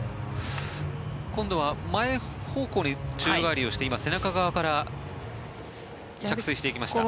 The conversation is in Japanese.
今度は前方向に宙返りをして今、背中側から着水していきました。